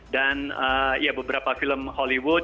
dan beberapa film hollywood